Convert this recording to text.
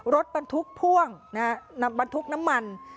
รถบรรทุกพ่วงบรรทุกน้ำมัน